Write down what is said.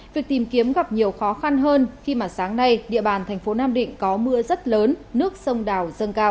việc tìm kiếm gặp nhiều khó khăn hơn khi mà sáng nay địa bàn thành phố nam định có mưa rất lớn nước sông đào dâng cao